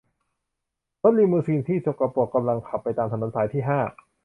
รถลีมูซีนที่สกปรกกำลังขับไปตามถนนสายที่ห้า